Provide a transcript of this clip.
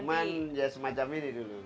cuman ya semacam ini dulu